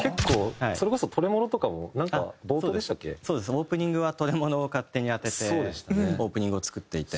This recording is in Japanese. オープニングは『トレモロ』を勝手に当ててオープニングを作っていて。